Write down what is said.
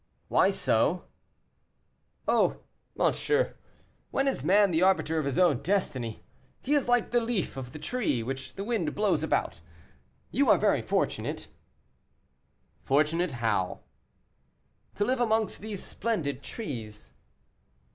"Why so?" "Oh! monsieur, when is man the arbiter of his own destiny? He is like the leaf of the tree, which the wind blows about. You are very fortunate." "Fortunate; how?" "To live amongst these splendid trees."